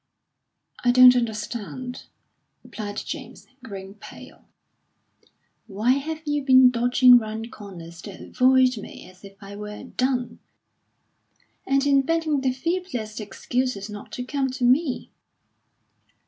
"I don't understand," replied James, growing pale. "Why have you been dodging round corners to avoid me as if I were a dun, and inventing the feeblest excuses not to come to me?"